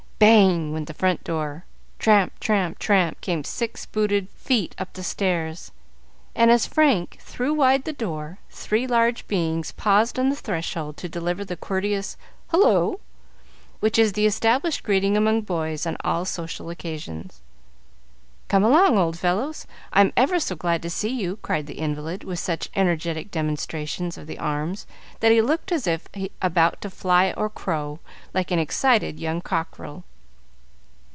Bang! went the front door; tramp, tramp, tramp, came six booted feet up the stairs; and, as Frank threw wide the door, three large beings paused on the threshold to deliver the courteous "Hullo!" which is the established greeting among boys on all social occasions. "Come along, old fellows; I'm ever so glad to see you!" cried the invalid, with such energetic demonstrations of the arms that he looked as if about to fly or crow, like an excited young cockerel.